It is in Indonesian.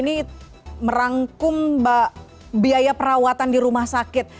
ini merangkum mbak biaya perawatan di rumah sakit